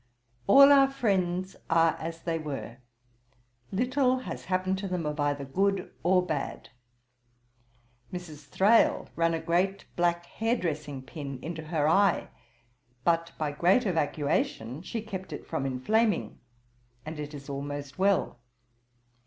'All our friends are as they were; little has happened to them of either good or bad. Mrs. Thrale ran a great black hair dressing pin into her eye; but by great evacuation she kept it from inflaming, and it is almost well.